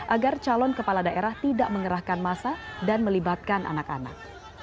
agar calon kepala daerah tidak mengerahkan masa dan melibatkan anak anak